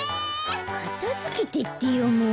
かたづけてってよもう！